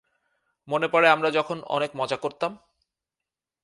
মনে পড়ে আমরা যখন অনেক মজা করতাম?